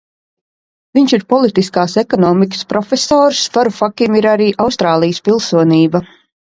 Viņš ir politiskās ekonomikas profesors, Varufakim ir arī Austrālijas pilsonība.